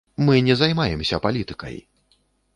Мы не займаемся палітыкай!